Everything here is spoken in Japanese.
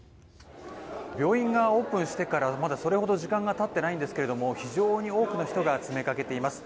病院がオープンしてからまだそれほど時間がたっていないんですけれども非常に多くの人が詰めかけています。